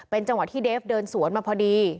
จังหวะที่เดฟเดินสวนมาพอดี